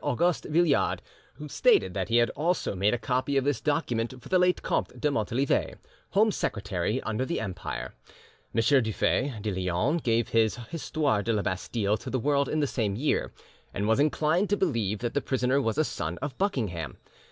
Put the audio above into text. Auguste Billiard, who stated that he had also made a copy of this document for the late Comte de Montalivet, Home Secretary under the Empire. M. Dufey (de l'Yonne) gave his 'Histoire de la Bastille' to the world in the same year, and was inclined to believe that the prisoner was a son of Buckingham.